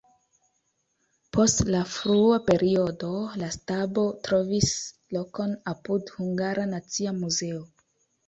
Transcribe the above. Post la frua periodo la stabo trovis lokon apud Hungara Nacia Muzeo.